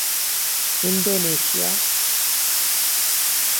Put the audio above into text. Indonesia